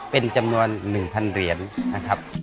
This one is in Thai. เป็นจำนวน๑๐๐เหรียญนะครับ